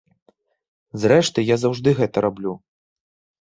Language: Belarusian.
Зрэшты я заўжды гэта раблю.